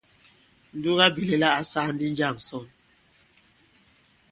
Ǹdugabìlɛla ǎ sāā ndī njâŋ ǹsɔn ?